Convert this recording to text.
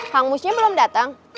kang musnya belum datang